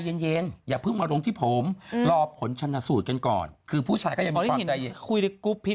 เตยเตยก็ไปตามหาว่าเป็นใครยังไง